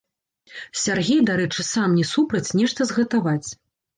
Сяргей, дарэчы, сам не супраць нешта згатаваць.